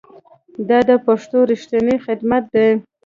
دا د پښتو ریښتینی خدمت دی.